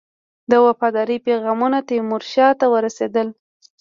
د وفاداری پیغامونه تیمورشاه ته ورسېدل.